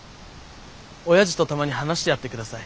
おやじとたまに話してやってください。